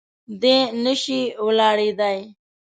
دی نه شي ولاړېدای.